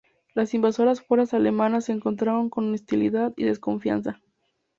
Las invasoras fuerzas alemanas se encontraron con hostilidad y desconfianza.